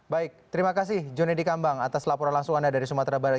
baik terima kasih jone di kambang atas laporan langsung anda dari sumatera barat